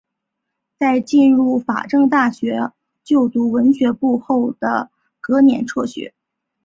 在进入法政大学就读文学部后的隔年辍学。